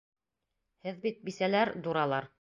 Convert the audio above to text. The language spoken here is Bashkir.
Һеҙ бит бисәләр, дуралар!